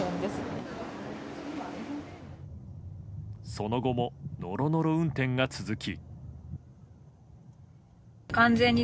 その後もノロノロ運転が続き。